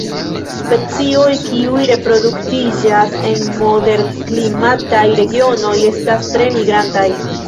Specioj kiuj reproduktiĝas en moderklimataj regionoj estas tre migrantaj.